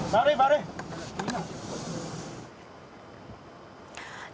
vào đây vào đây